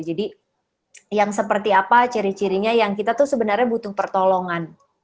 jadi yang seperti apa ciri cirinya yang kita tuh sebenarnya butuh pertolongan